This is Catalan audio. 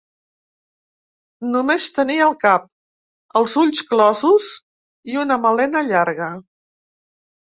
Només tenia el cap, els ulls closos i una melena llarga.